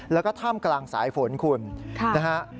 แล้วก็ถ้ามกลางสายฝนคุณนะครับ